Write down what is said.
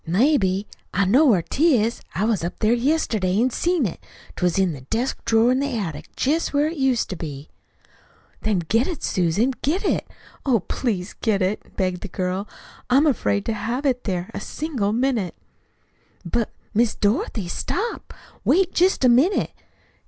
"Maybe. I know where 'tis. I was up there yesterday an' see it. 'T was in the desk drawer in the attic, jest where it used to be." "Then get it, Susan, get it. Oh, please get it," begged the girl. "I'm afraid to have it there a single minute." "But, Miss Dorothy, stop; wait jest a minute.